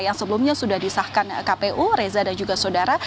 yang sebelumnya sudah disahkan kpu reza dan juga saudara